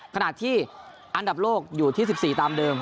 ขณะที่อันดับโลกอยู่ที่๑๔ตามเดิม